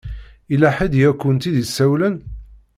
Yella ḥedd i akent-id-isawlen?